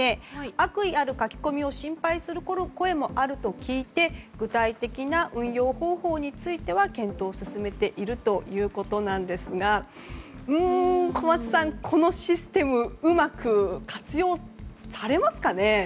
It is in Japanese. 悪意ある書き込みを心配する声もあると聞いて具体的な運用方法については検討を進めているということですが小松さん、このシステムうまく活用されますかね。